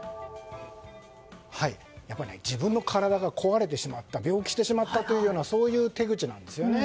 やっぱり自分の体が壊れてしまった病気してしまったというようなそういう手口なんですよね。